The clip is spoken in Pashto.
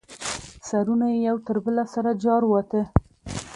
سرونه یې یو تر بله سره جارواته.